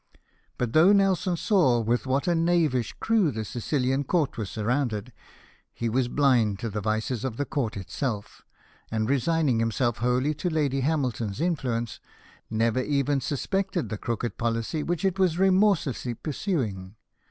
But though Nelson saw with what a knavish crew the Sicilian court Avas surrounded, he was blind to the vices of the court itself; and, resigning himself wholly to Lady Hamilton's influence, never even suspected the WANT IN MALTA. 203 crooked policy which it was remorselessly pursuing.